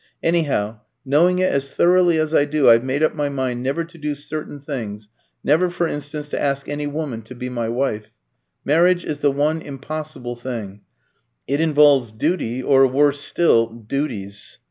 Anyhow, knowing it as thoroughly as I do, I've made up my mind never to do certain things never, for instance, to ask any woman to be my wife. Marriage is the one impossible thing. It involves duty, or, worse still, duties.